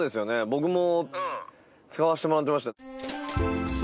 僕も使わせてもらってました。